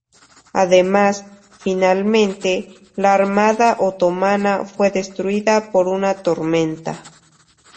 Además, finalmente, la armada otomana fue destruida por una tormenta.